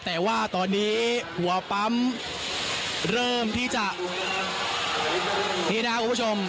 แต่ว่าตอนนี้หัวปั๊มเริ่มที่จะมีนะครับคุณผู้ชม